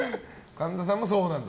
神田さんもそうなんだ。